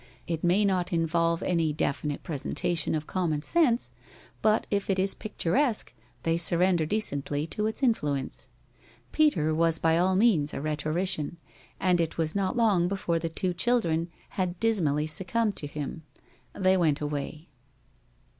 It may not involve any definite presentation of common sense, but if it is picturesque they surrender decently to its influence. Peter was by all means a rhetorician, and it was not long before the two children had dismally succumbed to him. They went away.